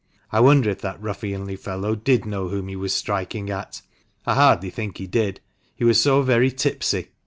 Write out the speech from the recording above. I wonder if that ruffianly fellow did know whom he was striking at? I hardly think he did, he was so very tipsy.